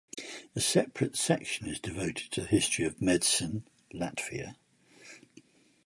A separate section is devoted to the history of medicine Latvia.